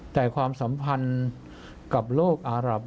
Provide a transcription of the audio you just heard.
แต่ความสัมพันธ์กับโลกอารับ